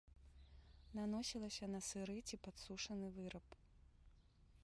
Наносілася на сыры ці падсушаны выраб.